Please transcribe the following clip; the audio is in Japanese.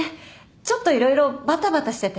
ちょっと色々バタバタしてて。